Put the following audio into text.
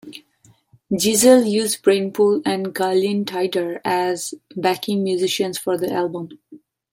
Gessle used Brainpool and Gyllene Tider as backing musicians for the album.